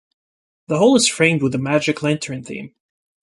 The whole is framed with a magic lantern theme.